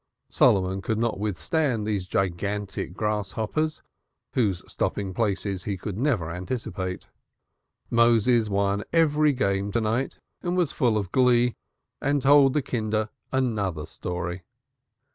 Solomon could not withstand these gigantic grasshoppers, whose stopping places he could never anticipate. Moses won every game to night and was full of glee and told the Kinder another story.